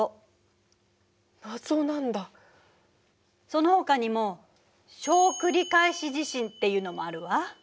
そのほかにも「小繰り返し地震」っていうのもあるわ。